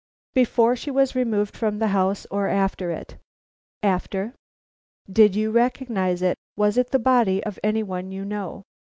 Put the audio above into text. "Before she was removed from the house or after it?" "After." "Did you recognize it? Was it the body of any one you know?"